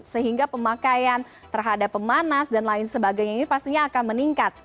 sehingga pemakaian terhadap pemanas dan lain sebagainya ini pastinya akan meningkat